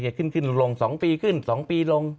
มีขึ้นลง๒ปีขึ้น๒ปีลง